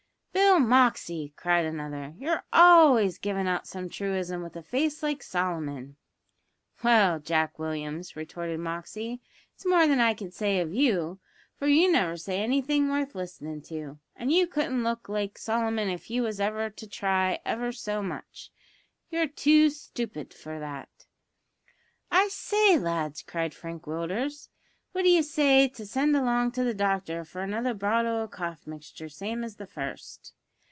"Bill Moxey!" cried another, "you're always givin' out some truism with a face like Solomon." "Well, Jack Williams," retorted Moxey, "it's more than I can say of you, for you never say anything worth listenin' to, and you couldn't look like Solomon if you was to try ever so much. You're too stoopid for that." "I say, lads," cried Frank Willders, "what d'ye say to send along to the doctor for another bottle o' cough mixture, same as the first?"